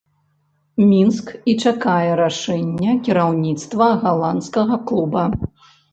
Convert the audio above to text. Мінск і чакае рашэння кіраўніцтва галандскага клуба.